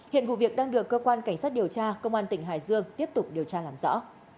hiện vụ việc đang được cơ quan cảnh sát điều tra công an tỉnh hải dương tiếp tục điều tra làm rõ